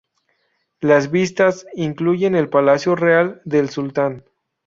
Las vistas incluyen el palacio real del sultán.